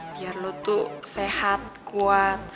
biar lo tuh sehat kuat